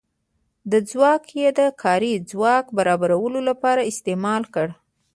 دا ځواک یې د کاري ځواک برابرولو لپاره استعمال کړ.